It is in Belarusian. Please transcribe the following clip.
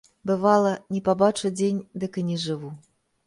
Бывала, не пабачу дзень, дык і не жыву.